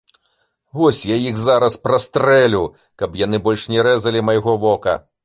Вось я іх зараз прастрэлю, каб яны больш не рэзалі майго вока.